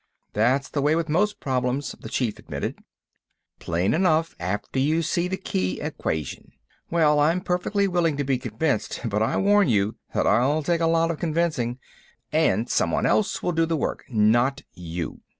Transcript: "That's the way with most problems," the Chief admitted. "Plain enough after you see the key equation. Well, I'm perfectly willing to be convinced, but I warn you that I'll take a lot of convincing—and someone else will do the work, not you."